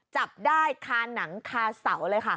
จับได้คาหนังคาเสาเลยค่ะ